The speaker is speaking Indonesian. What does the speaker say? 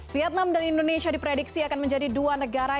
vietnam dan indonesia diprediksi akan menjadi dua negara